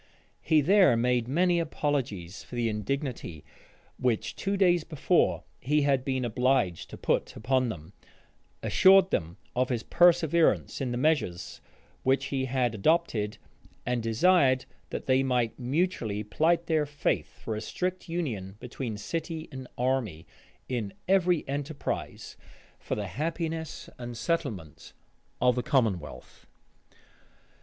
He there made many apologies for the indignity which two days before he had been obliged to put upon them; assured them of his perseverance in the measures which he had adopted; and desired that they might mutually plight their faith for a strict union between city and army, in every enterprise for the happiness and settlement of the commonwealth.